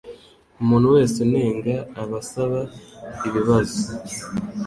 Umuntu wese unenga aba asaba ibibazo